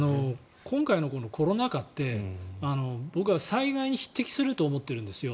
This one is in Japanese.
今回のコロナ禍って僕は災害に匹敵すると思ってるんですよ。